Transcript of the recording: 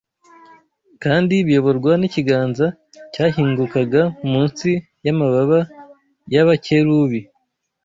kandi biyoborwa n’ikiganza cyahingukaga munsi y’amababa y’abakerubi